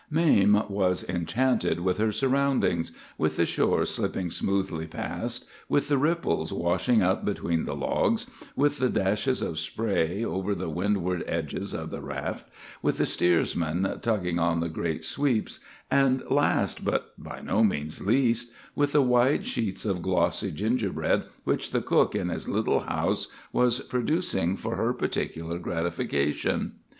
"Mame was enchanted with her surroundings,—with the shores slipping smoothly past, with the ripples washing up between the logs, with the dashes of spray over the windward edges of the raft, with the steersmen tugging on the great sweeps, and last, but by no means least, with the wide sheets of glossy gingerbread which the cook in his little house was producing for her particular gratification.